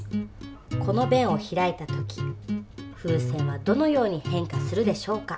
この弁を開いた時風船はどのように変化するでしょうか？